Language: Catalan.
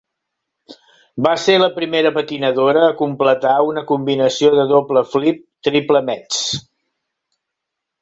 Va ser la primera patinadora a completar una combinació de doble 'flip', triple 'metz'.